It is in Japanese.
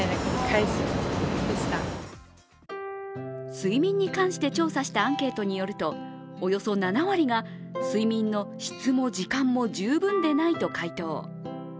睡眠に関して調査したアンケートによると、およそ７割が睡眠の質も時間も十分でないと回答。